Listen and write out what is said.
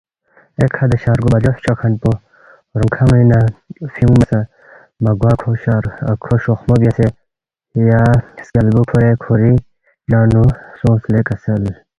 ایکھہ دے شرگو بَجو فچوکھن پو رونگ کھنگ پوینگ نہ فیُونگما سہ مہ گوا کھو شوخمو بیاسے یا کیالبُو کُھورے کُھوری ننگ نُو سونگس لے کسل